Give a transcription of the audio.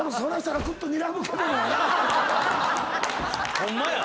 ホンマや！